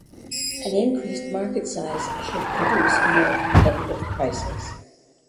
An increased market size should produce more competitive prices.